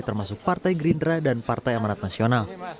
termasuk partai gerindra dan partai amanat nasional